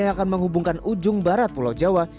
yang akan menghubungkan ujung barat pulau jawa